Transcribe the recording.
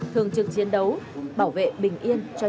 thường trực chiến đấu bảo vệ bình yên cho nhân dân